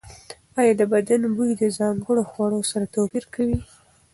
ایا د بدن بوی د ځانګړو خوړو سره توپیر کوي؟